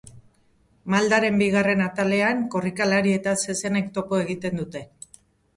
Maldaren bigarren atalean, korrikalari eta zezenek topo egiten dute.